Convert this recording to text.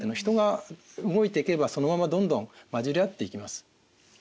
人が動いていけばそのままどんどん混じりあっていきます。